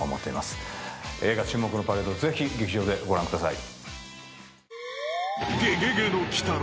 映画『沈黙のパレード』ぜひ劇場でご覧ください。